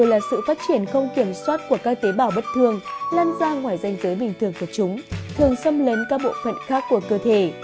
nguyên nhân không kiểm soát của các tế bảo bất thường lăn ra ngoài danh giới bình thường của chúng thường xâm lấn các bộ phận khác của cơ thể